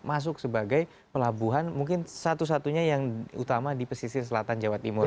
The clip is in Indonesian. masuk sebagai pelabuhan mungkin satu satunya yang utama di pesisir selatan jawa timur